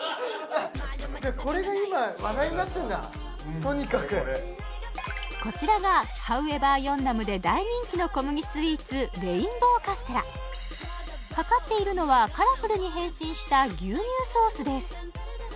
あじゃあこれが今話題になってるんだとにかくこちらがｈｏｗｅｖｅｒ延南で大人気の小麦スイーツレインボーカステラかかっているのはカラフルに変身した牛乳ソースです